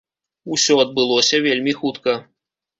Усё адбылося вельмі хутка.